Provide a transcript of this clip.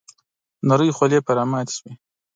نرۍ خولې پر راماتې شوې .